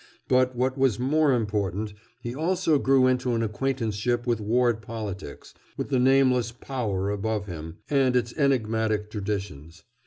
But, what was more important, he also grew into an acquaintanceship with ward politics, with the nameless Power above him and its enigmatic traditions.